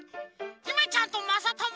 ゆめちゃんとまさともは？